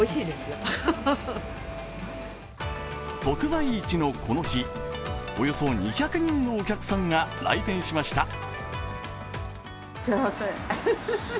特売市のこの日、およそ２００人のお客さんが来店しました。